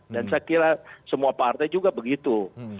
dan saya kira semua partai juga begitu